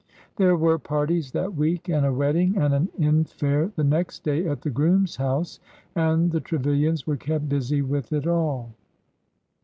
There were parties that week, and a wedding, and an infare the next day at the groom's house, and the Tre vilians were kept busy with it all.